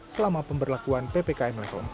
selama pemberlakuan ppkm level empat